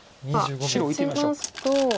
白置いてみましょう。